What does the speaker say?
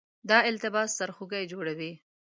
دا التباس سرخوږی جوړوي.